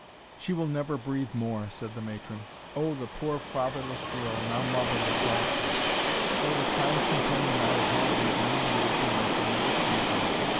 "She will never breathe more," said the matron. "Oh! the poor fatherless girl now motherless also Oh, the kind companion I have had these many years, whom I shall never see again!